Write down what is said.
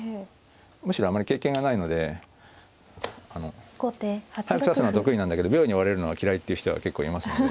むしろあまり経験がないので速く指すのは得意なんだけど秒に追われるのは嫌いっていう人は結構いますので。